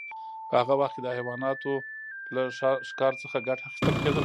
په هغه وخت کې د حیواناتو له ښکار څخه ګټه اخیستل کیده.